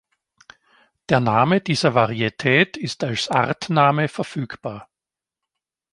Der Name dieser Varietät ist als Artname verfügbar.